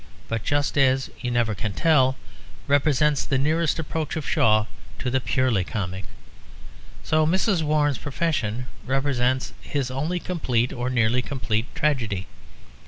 But just as You Never Can Tell represents the nearest approach of Shaw to the purely comic, so Mrs. Warren's Profession represents his only complete, or nearly complete, tragedy.